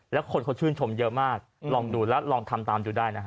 แล้วคนเขาชื่นชมเยอะมากลองดูแล้วลองทำตามดูได้นะฮะ